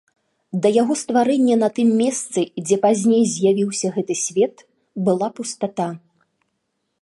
Да яго стварэння на тым месцы, дзе пазней з'явіўся гэты свет, была пустата.